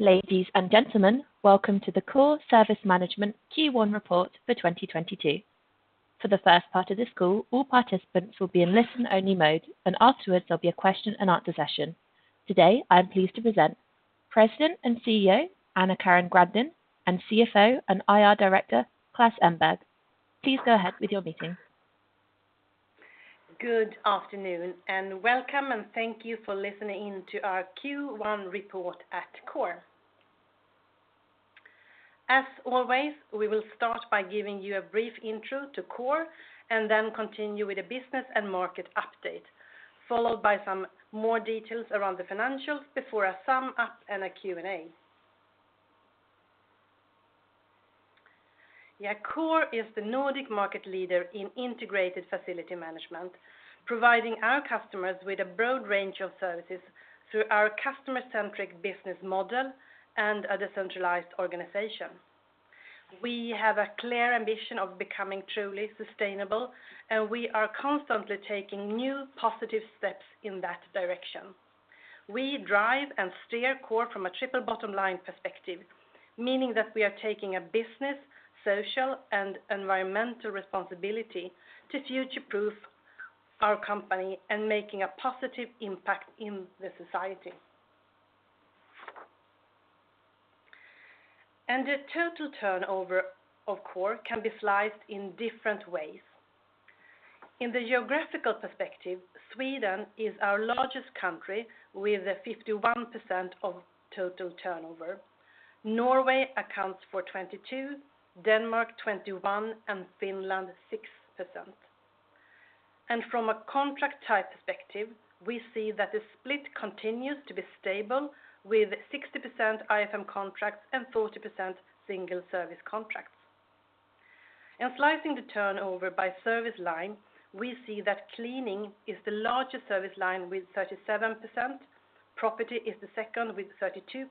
Ladies and gentlemen, welcome to the Coor Service Management Q1 report for 2022. For the first part of this call, all participants will be in listen-only mode, and afterwards, there'll be a question and answer session. Today, I'm pleased to present President and CEO AnnaCarin Grandin and CFO and IR Director Klas Elmberg. Please go ahead with your meeting. Good afternoon, and welcome, and thank you for listening to our Q1 report at Coor. As always, we will start by giving you a brief intro to Coor and then continue with a business and market update, followed by some more details around the financials before a sum up and a Q&A. Yeah, Coor is the Nordic market leader in integrated facility management, providing our customers with a broad range of services through our customer-centric business model and a decentralized organization. We have a clear ambition of becoming truly sustainable, and we are constantly taking new positive steps in that direction. We drive and steer Coor from a triple bottom line perspective, meaning that we are taking a business, social, and environmental responsibility to future-proof our company and making a positive impact in the society. The total turnover of Coor can be sliced in different ways. In the geographical perspective, Sweden is our largest country with 51% of total turnover. Norway accounts for 22%, Denmark 21%, and Finland 6%. From a contract type perspective, we see that the split continues to be stable with 60% IFM contracts and 40% single service contracts. Slicing the turnover by service line, we see that cleaning is the largest service line with 37%. Property is the second with 32%,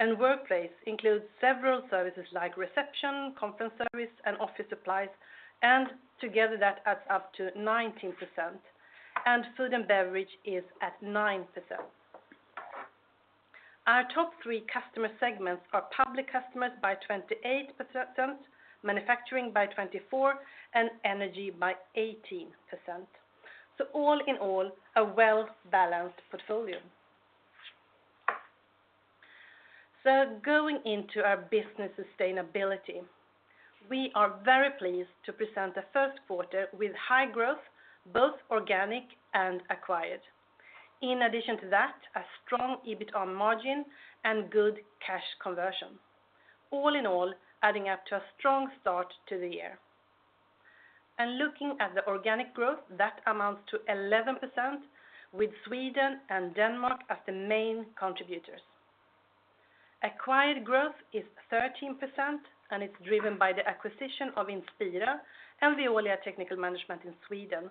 and workplace includes several services like reception, conference service, and office supplies, and together that adds up to 19%, and food and beverage is at 9%. Our top three customer segments are public customers by 28%, manufacturing by 24%, and energy by 18%. All in all, a well-balanced portfolio. Going into our business sustainability, we are very pleased to present the first quarter with high growth, both organic and acquired. In addition to that, a strong EBITA margin and good cash conversion, all in all adding up to a strong start to the year. Looking at the organic growth, that amounts to 11% with Sweden and Denmark as the main contributors. Acquired growth is 13%, and it's driven by the acquisition of Inspira and Veolia Technical Management in Sweden,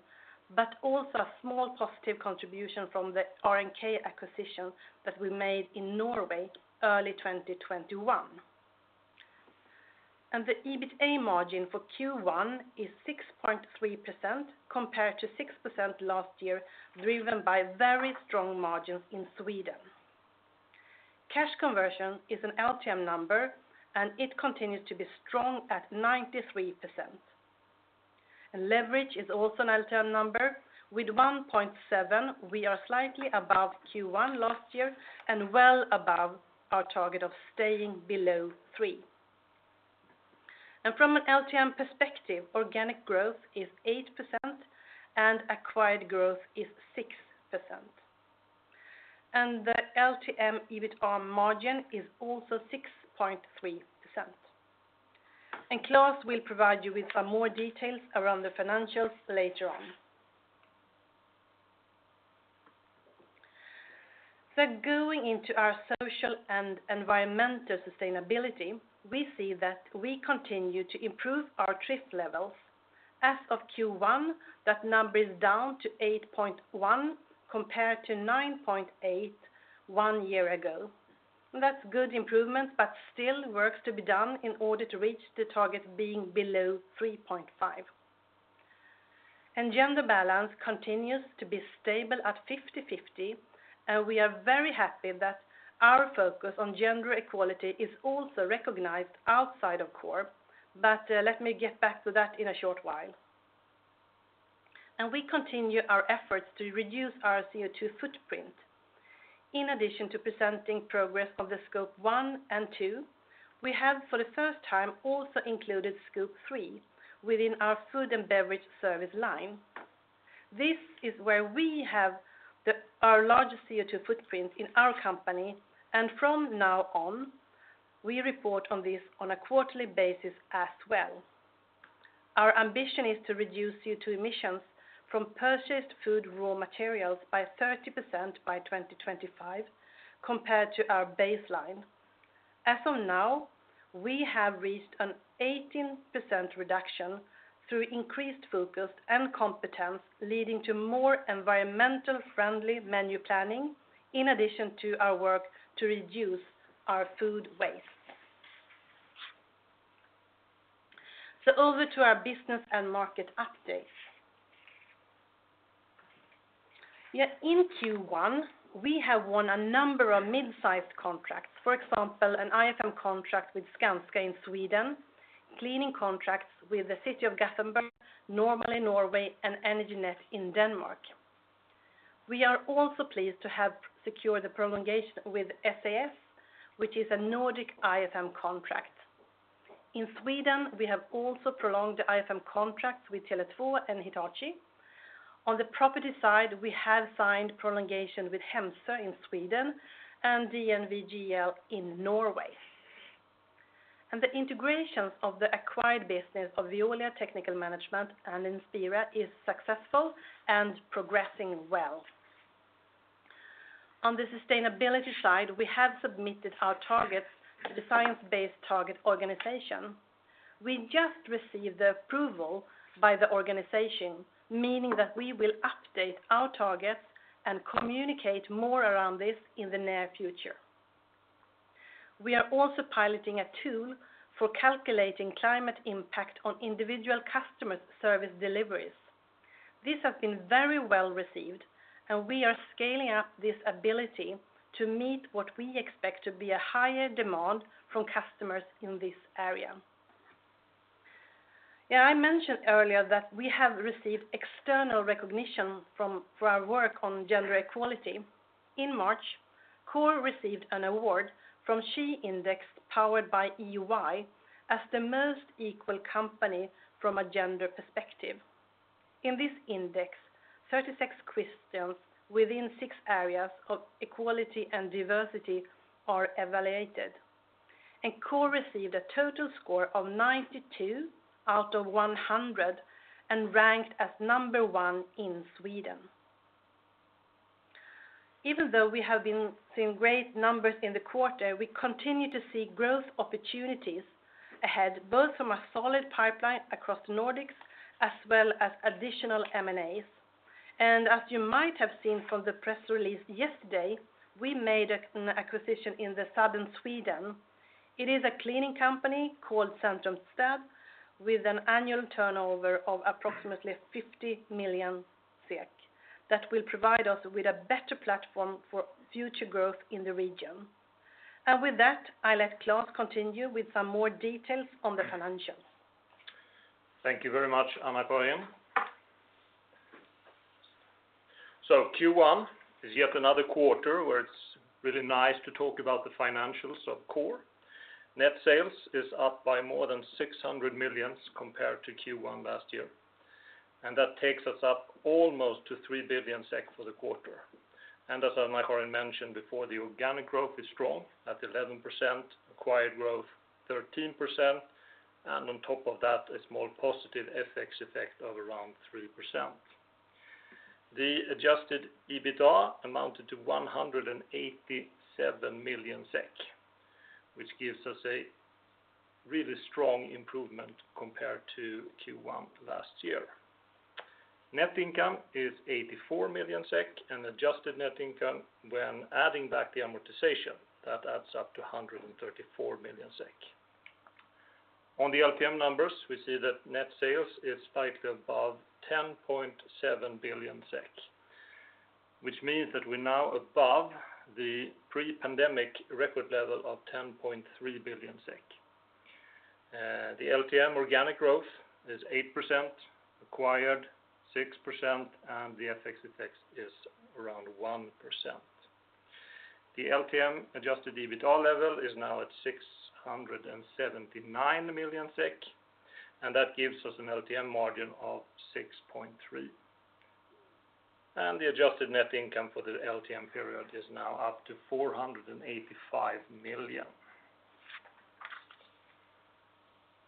but also a small positive contribution from the R&K acquisition that we made in Norway early 2021. The EBITA margin for Q1 is 6.3% compared to 6% last year, driven by very strong margins in Sweden. Cash conversion is an LTM number, and it continues to be strong at 93%. Leverage is also an LTM number. With 1.7%, we are slightly above Q1 last year and well above our target of staying below 3%. From an LTM perspective, organic growth is 8%, and acquired growth is 6%. The LTM EBITA margin is also 6.3%. Klas will provide you with some more details around the financials later on. Going into our social and environmental sustainability, we see that we continue to improve our DRIFT levels. As of Q1, that number is down to 8.1% compared to 9.8% one year ago. That's good improvement, but still work to be done in order to reach the target being below 3.5%. Gender balance continues to be stable at 50/50, and we are very happy that our focus on gender equality is also recognized outside of Coor. Let me get back to that in a short while. We continue our efforts to reduce our CO2 footprint. In addition to presenting progress of the Scope 1 and 2, we have, for the first time, also included Scope 3 within our food and beverage service line. This is where we have our largest CO2 footprint in our company. From now on, we report on this on a quarterly basis as well. Our ambition is to reduce CO2 emissions from purchased food raw materials by 30% by 2025 compared to our baseline. As of now, we have reached an 18% reduction through increased focus and competence, leading to more environmentally friendly menu planning, in addition to our work to reduce our food waste. Over to our business and market updates. Yeah, in Q1, we have won a number of mid-sized contracts. For example, an IFM contract with Skanska in Sweden, cleaning contracts with the City of Gothenburg, Normal in Norway, and Energinet in Denmark. We are also pleased to have secured the prolongation with SAS, which is a Nordic IFM contract. In Sweden, we have also prolonged the IFM contracts with Tele2 and Hitachi. On the property side, we have signed prolongation with Hemsö in Sweden and DNV in Norway. The integrations of the acquired business of Veolia Technical Management and Inspira is successful and progressing well. On the sustainability side, we have submitted our targets to the Science Based Targets initiative. We just received the approval by the initiative, meaning that we will update our targets and communicate more around this in the near future. We are also piloting a tool for calculating climate impact on individual customer service deliveries. This has been very well-received, and we are scaling up this ability to meet what we expect to be a higher demand from customers in this area. Yeah, I mentioned earlier that we have received external recognition for our work on gender equality. In March, Coor received an award from SHE Index, powered by EY, as the most equal company from a gender perspective. In this index, 36 questions within six areas of equality and diversity are evaluated. Coor received a total score of 92 out of 100 and ranked as number one in Sweden. Even though we have been seeing great numbers in the quarter, we continue to see growth opportunities ahead, both from a solid pipeline across Nordics as well as additional M&As. As you might have seen from the press release yesterday, we made an acquisition in southern Sweden. It is a cleaning company called Centrumstäd with an annual turnover of approximately 50 million SEK that will provide us with a better platform for future growth in the region. With that, I let Klas continue with some more details on the financials. Thank you very much, AnnaCarin. Q1 is yet another quarter where it's really nice to talk about the financials of Coor. Net sales is up by more than 600 million compared to Q1 last year, and that takes us up almost to 3 billion SEK for the quarter. As AnnaCarin mentioned before, the organic growth is strong at 11%, acquired growth 13%, and on top of that, a small positive FX effect of around 3%. The adjusted EBITDA amounted to 187 million SEK, which gives us a really strong improvement compared to Q1 last year. Net income is 84 million SEK, and adjusted net income when adding back the amortization, that adds up to 134 million SEK. On the LTM numbers, we see that net sales is slightly above 10.7 billion SEK, which means that we're now above the pre-pandemic record level of 10.3 billion SEK. The LTM organic growth is 8%, acquired 6%, and the FX effect is around 1%. The LTM adjusted EBITDA level is now at 679 million SEK, and that gives us an LTM margin of 6.3%. The adjusted net income for the LTM period is now up to 485 million.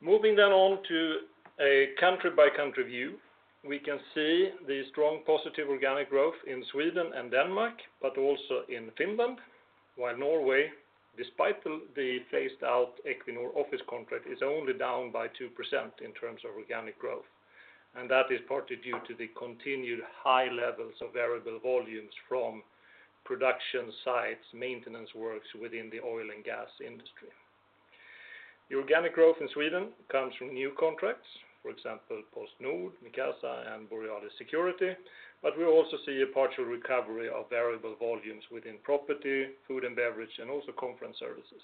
Moving then on to a country-by-country view, we can see the strong positive organic growth in Sweden and Denmark, but also in Finland, while Norway, despite the phased-out Equinor office contract, is only down by 2% in terms of organic growth. That is partly due to the continued high levels of variable volumes from production sites, maintenance works within the oil and gas industry. The organic growth in Sweden comes from new contracts, for example, PostNord, Mikasa, and Borealis Security. We also see a partial recovery of variable volumes within property, food and beverage, and also conference services.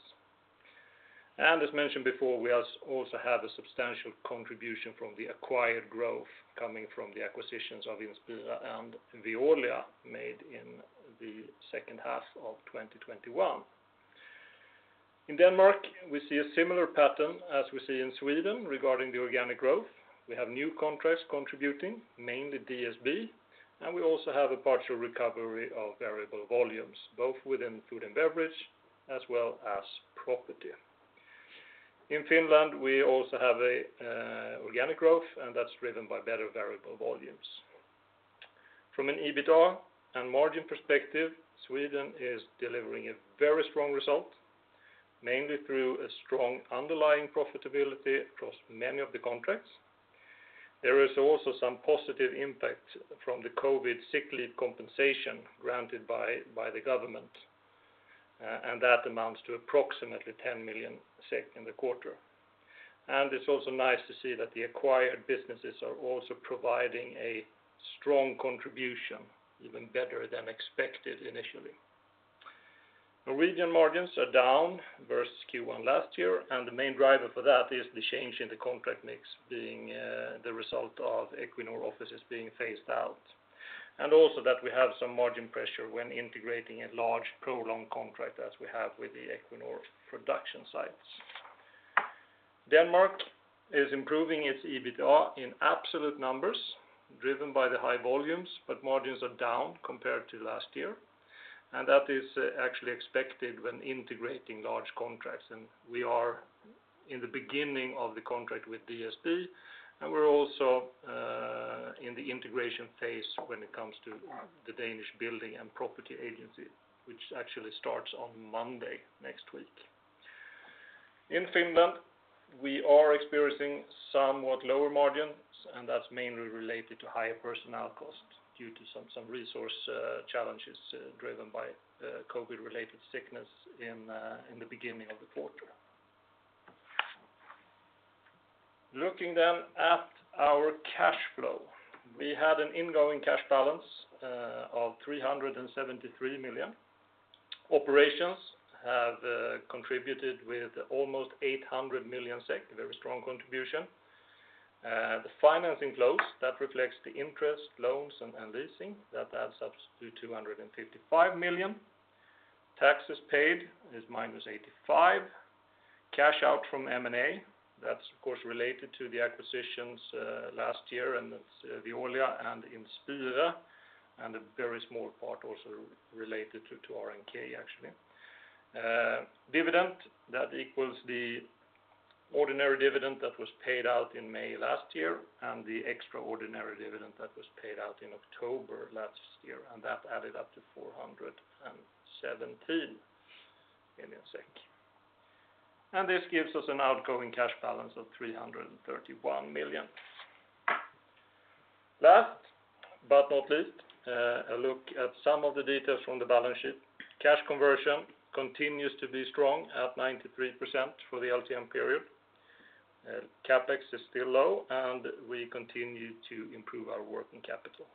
As mentioned before, we also have a substantial contribution from the acquired growth coming from the acquisitions of Inspira and Veolia made in the second half of 2021. In Denmark, we see a similar pattern as we see in Sweden regarding the organic growth. We have new contracts contributing, mainly DSB, and we also have a partial recovery of variable volumes, both within food and beverage as well as property. In Finland, we also have a organic growth, and that's driven by better variable volumes. From an EBITDA and margin perspective, Sweden is delivering a very strong result, mainly through a strong underlying profitability across many of the contracts. There is also some positive impact from the COVID sick leave compensation granted by the government, and that amounts to approximately 10 million SEK in the quarter. It's also nice to see that the acquired businesses are also providing a strong contribution, even better than expected initially. Norwegian margins are down versus Q1 last year, and the main driver for that is the change in the contract mix being the result of Equinor offices being phased out. Also that we have some margin pressure when integrating a large prolonged contract as we have with the Equinor production sites. Denmark is improving its EBITDA in absolute numbers, driven by the high volumes, but margins are down compared to last year. That is actually expected when integrating large contracts, and we are in the beginning of the contract with DSB, and we're also in the integration phase when it comes to the Danish Building and Property Agency, which actually starts on Monday next week. In Finland, we are experiencing somewhat lower margins, and that's mainly related to higher personnel costs due to some resource challenges driven by COVID-related sickness in the beginning of the quarter. Looking then at our cash flow. We had an ingoing cash balance of 373 million. Operations have contributed with almost 800 million SEK, a very strong contribution. The financing flows, that reflects the interest, loans, and leasing. That adds up to 255 million. Taxes paid is -85 million. Cash out from M&A, that's of course related to the acquisitions last year, and that's Veolia and Inspira, and a very small part also related to R&K actually. Dividend, that equals the ordinary dividend that was paid out in May last year, and the extraordinary dividend that was paid out in October last year, and that added up to 417 million SEK. And this gives us an outstanding cash balance of 331 million, thus let's look at some of the details from the balance sheet. Cash conversion continues to be strong at 93% for the interim period, CapEx is still low and we continue to improve our working capital.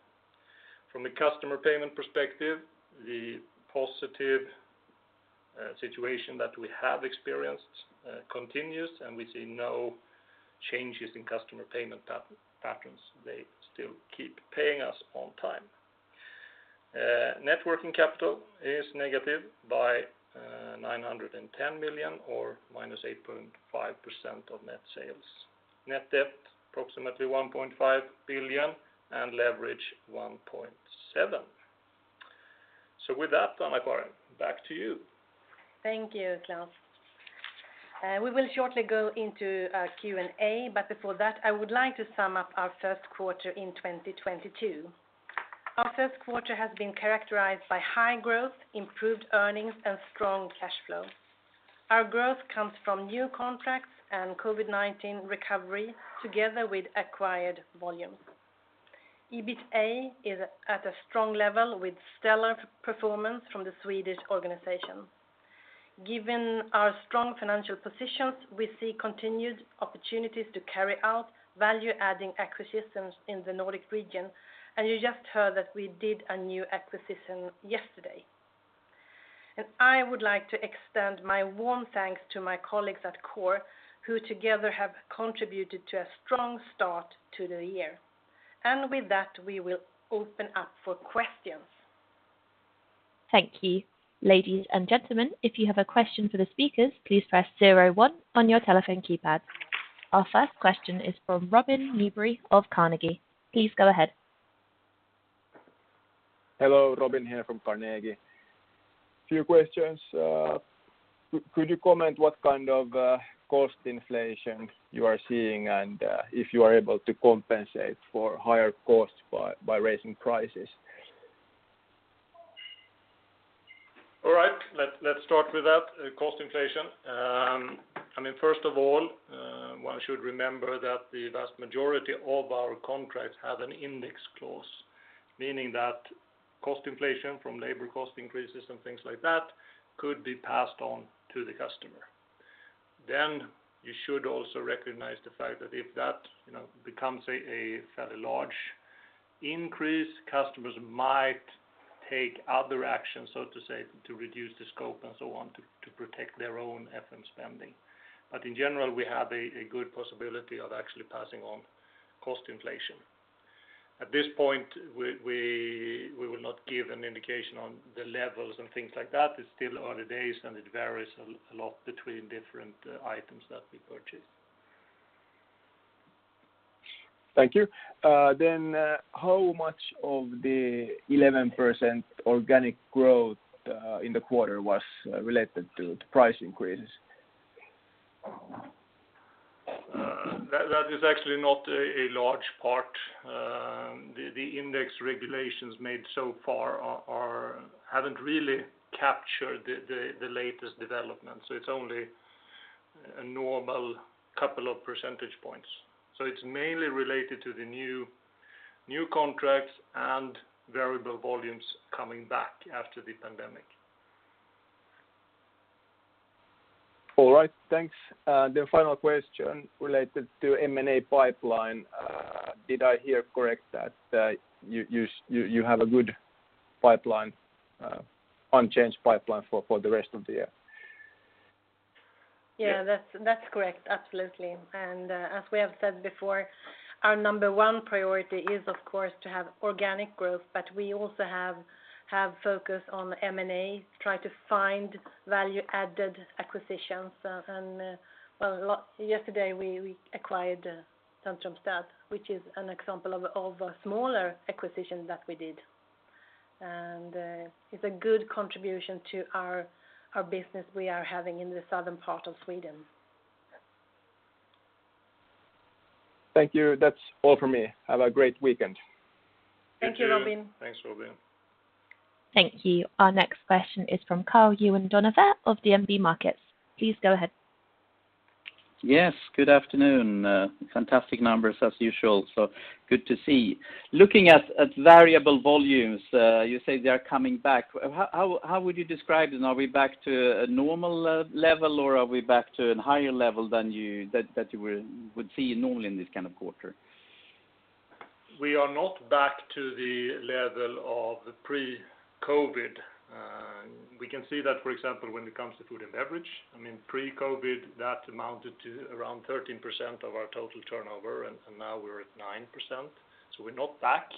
From the customer paying perspective the positive situation that we have experienced continues with no changes in customer payment pattern. They still keep paying us on time. Net working capital is negative by 910 million or -8.5% of net sales. Net debt, approximately 1.5 billion, and leverage, 1.7%. With that, AnnaCarin, back to you. Thank you, Klas. We will shortly go into Q&A, but before that, I would like to sum up our first quarter in 2022. Our first quarter has been characterized by high growth, improved earnings, and strong cash flow. Our growth comes from new contracts and COVID-19 recovery together with acquired volume. EBITA is at a strong level with stellar performance from the Swedish organization. Given our strong financial positions, we see continued opportunities to carry out value-adding acquisitions in the Nordic region, and you just heard that we did a new acquisition yesterday. I would like to extend my warm thanks to my colleagues at Coor, who together have contributed to a strong start to the year. With that, we will open up for questions. Thank you. Ladies and gentlemen, if you have a question for the speakers, please press zero-one on your telephone keypad. Our first question is from Robin Nyberg of Carnegie. Please go ahead. Hello, Robin here from Carnegie. Few questions. Could you comment what kind of cost inflation you are seeing and if you are able to compensate for higher costs by raising prices? All right. Let's start with that, cost inflation. I mean, first of all, one should remember that the vast majority of our contracts have an index clause, meaning that cost inflation from labor cost increases and things like that could be passed on to the customer. You should also recognize the fact that if that becomes a fairly large increase, customers might take other actions, so to say, to reduce the scope and so on to protect their own FM spending. In general, we have a good possibility of actually passing on cost inflation. At this point, we will not give an indication on the levels and things like that. It's still early days, and it varies a lot between different items that we purchase. Thank you. How much of the 11% organic growth in the quarter was related to the price increases? That is actually not a large part. The index regulations made so far haven't really captured the latest development, so it's only a normal couple of percentage points. It's mainly related to the new contracts and variable volumes coming back after the pandemic. All right, thanks. The final question related to M&A pipeline. Did I hear correctly that you have a good pipeline, unchanged pipeline for the rest of the year? Yeah, that's correct. Absolutely. As we have said before, our number one priority is of course to have organic growth, but we also have focus on M&A, try to find value added acquisitions. Yesterday we acquired Centrumstäd, which is an example of a smaller acquisition that we did. It's a good contribution to our business we are having in the southern part of Sweden. Thank you. That's all for me. Have a great weekend. Thank you. Thank you, Robin. Thanks, Robin. Thank you. Our next question is from Karl-Johan Bonnevier of DNB Markets. Please go ahead. Yes. Good afternoon. Fantastic numbers as usual, so good to see. Looking at variable volumes, you say they are coming back. How would you describe this? Are we back to a normal level or are we back to a higher level than you that you would see normally in this kind of quarter? We are not back to the level of pre-COVID. We can see that, for example, when it comes to food and beverage. I mean, pre-COVID, that amounted to around 13% of our total turnover, and now we're at 9%. We're not back.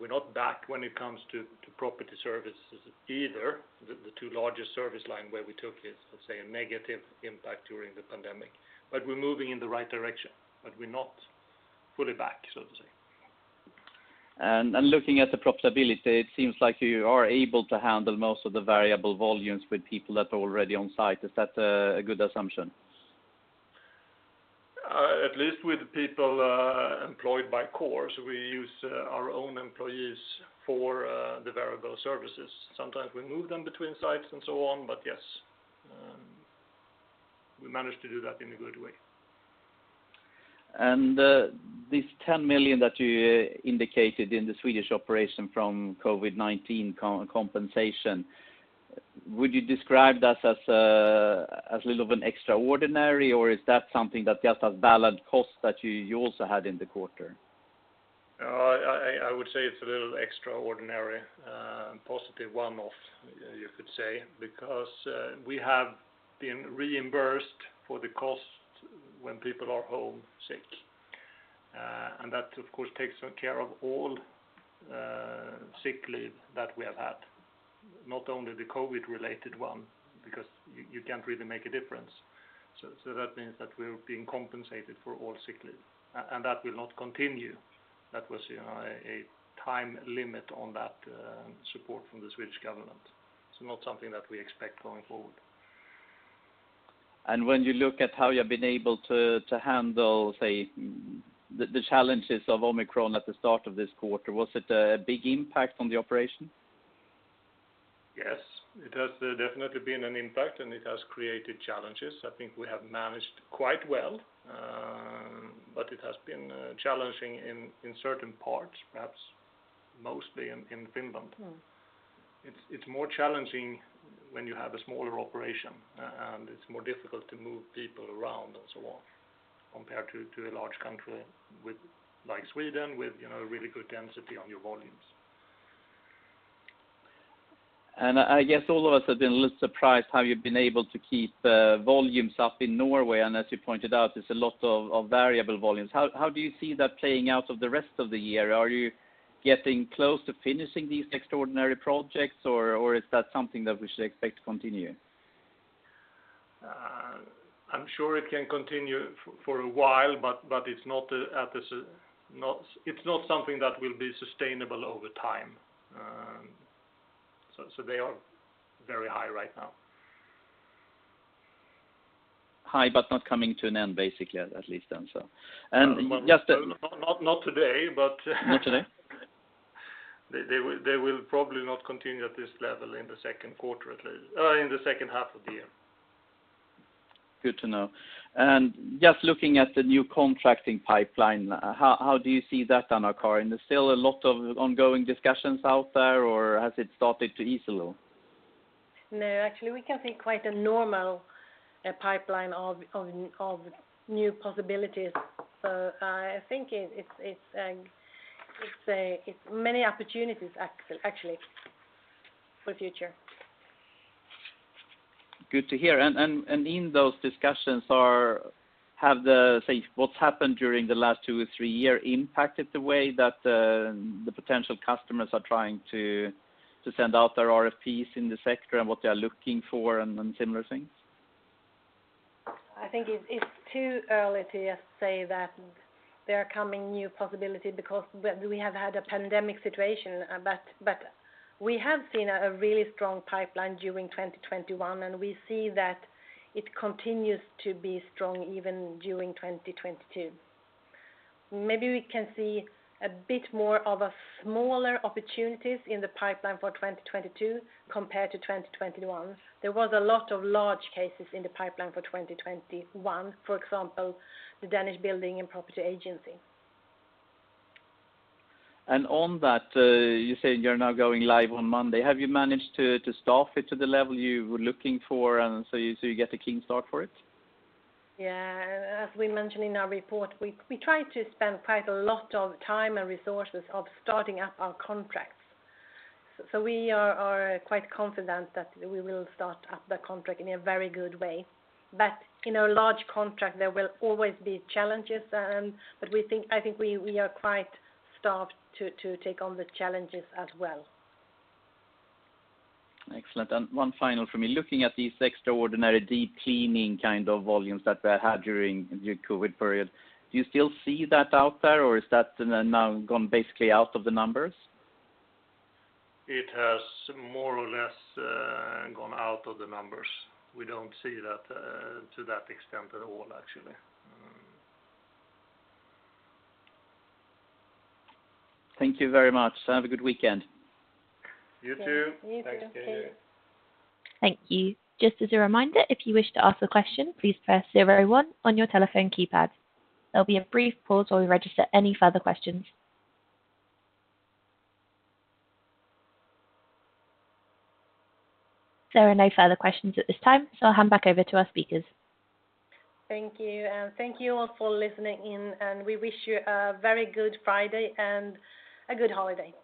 We're not back when it comes to property services either, the two largest service line where we took a, let's say, a negative impact during the pandemic. We're moving in the right direction, but we're not fully back, so to say. Looking at the profitability, it seems like you are able to handle most of the variable volumes with people that are already on site. Is that a good assumption? At least with people employed by Coor, we use our own employees for the variable services. Sometimes we move them between sites and so on, but yes, we manage to do that in a good way. This 10 million that you indicated in the Swedish operation from COVID-19 compensation, would you describe that as a little of an extraordinary, or is that something that just as balanced costs that you also had in the quarter? I would say it's a little extraordinary, positive one-off, you could say, because we have been reimbursed for the cost when people are home sick. That of course takes care of all sick leave that we have had, not only the COVID-related one, because you can't really make a difference. That means that we're being compensated for all sick leave. That will not continue. That was, you know, a time limit on that support from the Swedish government. It's not something that we expect going forward. When you look at how you have been able to handle, say, the challenges of Omicron at the start of this quarter, was it a big impact on the operation? Yes. It has definitely been an impact, and it has created challenges. I think we have managed quite well, but it has been challenging in certain parts, perhaps mostly in Finland. It's more challenging when you have a smaller operation and it's more difficult to move people around and so on, compared to a large country like Sweden, with you know, really good density on your volumes. I guess all of us have been a little surprised how you've been able to keep volumes up in Norway. As you pointed out, it's a lot of variable volumes. How do you see that playing out for the rest of the year? Are you getting close to finishing these extraordinary projects or is that something that we should expect to continue? I'm sure it can continue for a while, but it's not something that will be sustainable over time. They are very high right now. High, but not coming to an end basically, at least then, so. Just Not today, but. Not today? They will probably not continue at this level in the second quarter at least in the second half of the year. Good to know. Just looking at the new contracting pipeline, how do you see that, AnnaCarin? There's still a lot of ongoing discussions out there or has it started to ease a little? No, actually we can see quite a normal pipeline of new possibilities. I think it's many opportunities actually for future. Good to hear. In those discussions, have they, say, what's happened during the last two or three year impacted the way that the potential customers are trying to send out their RFPs in the sector and what they are looking for and similar things? I think it's too early to just say that there are coming new possibility because we have had a pandemic situation. We have seen a really strong pipeline during 2021, and we see that it continues to be strong even during 2022. Maybe we can see a bit more of a smaller opportunities in the pipeline for 2022 compared to 2021. There was a lot of large cases in the pipeline for 2021, for example, the Danish Building and Property Agency. On that, you said you're now going live on Monday. Have you managed to staff it to the level you were looking for and so you get a keen start for it? Yeah. As we mentioned in our report, we try to spend quite a lot of time and resources on starting up our contracts. We are quite confident that we will start up the contract in a very good way. In a large contract, there will always be challenges, but I think we are quite staffed to take on the challenges as well. Excellent. One final from me. Looking at these extraordinary deep cleaning kind of volumes that we had during the COVID period, do you still see that out there, or is that now gone basically out of the numbers? It has more or less gone out of the numbers. We don't see that to that extent at all, actually. Thank you very much. Have a good weekend. You too. Yeah. You too. Thank you. Just as a reminder, if you wish to ask a question, please press zero-one on your telephone keypad. There'll be a brief pause while we register any further questions. There are no further questions at this time, so I'll hand back over to our speakers. Thank you. Thank you all for listening in, and we wish you a very Good Friday and a good holiday.